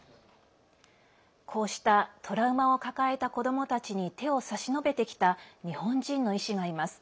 こうしたトラウマを抱えた子どもたちに手を差し伸べてきた日本人の医師がいます。